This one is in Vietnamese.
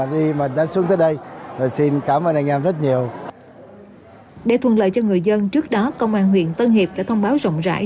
để thuận lợi cho người dân trước đó công an huyện tân hiệp đã thông báo rộng rãi